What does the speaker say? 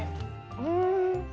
うん。